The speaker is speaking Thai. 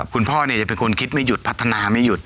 คุณพ่อจะเป็นคนคิดไม่หยุดพัฒนาไม่หยุด